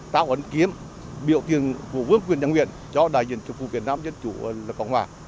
táo ấn kiếm biểu tình của vương quyền nhân nguyện cho đại diện chủ phủ việt nam dân chủ cộng hòa